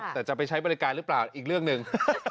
แต่จะไปใช้บริการหรือเปล่าอีกเรื่องหนึ่ง